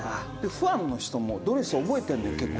「ファンの人もドレスを覚えてるのよ、結構。